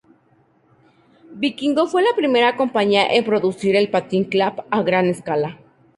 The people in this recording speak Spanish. Vikingo fue la primera compañía en producir el patín clap a gran escala.